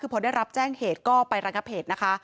พอได้รับแจ้งเหตุก็ไประงับเหตุนะคะ